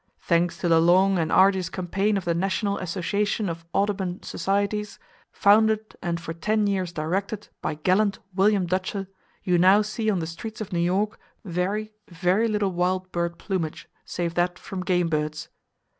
Thanks to the long and arduous campaign of the National Association of Audubon Societies, founded and for ten years directed by gallant William Dutcher, you now see on the streets of New York very, very little wild bird plumage save that from game birds.